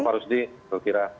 itu pak rusdi saya kira